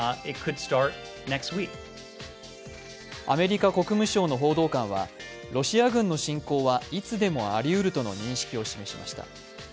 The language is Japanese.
アメリカ国務省の報道官はロシア軍の侵攻はいつでもありうるとの認識を示しました。